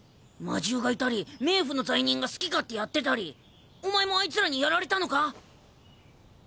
魔獣がいたり冥府の罪人が好き勝手やってたりお前もあいつらにやられたのか？